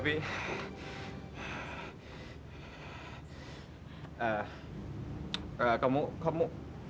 savi tua dan ku tulis saja